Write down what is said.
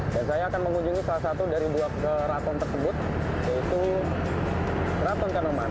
dan saya akan mengunjungi salah satu dari dua keraton tersebut yaitu keraton kanoman